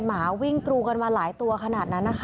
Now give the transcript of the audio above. หมาวิ่งกรูกันมาหลายตัวขนาดนั้นนะคะ